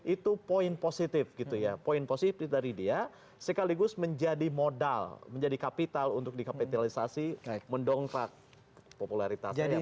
itu poin positif gitu ya poin positif dari dia sekaligus menjadi modal menjadi kapital untuk dikapitalisasi mendongkrak popularitasnya